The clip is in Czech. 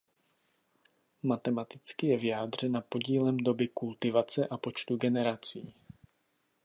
Matematicky je vyjádřena podílem doby kultivace a počtu generací.